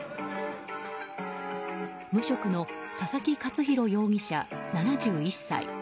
無職の佐々木勝弘容疑者、７１歳。